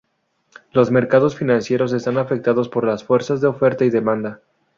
Los mercados financieros están afectados por las fuerzas de oferta y demanda.